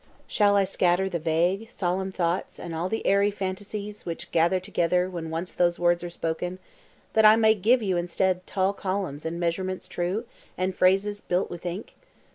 Shall I scatter the vague, solemn thoughts and all the airy phantasies which gather together when once those words are spoken, that I may give you instead tall columns and measurements true, and phrases built with ink?